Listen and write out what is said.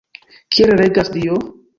Kiel regas Dio?